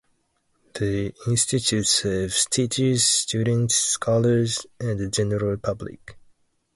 The Institute serves teachers, students, scholars, and the general public.